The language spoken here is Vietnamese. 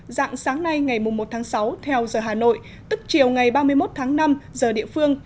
dạng sáng nay ngày một tháng sáu theo giờ hà nội tức chiều ngày ba mươi một tháng năm giờ địa phương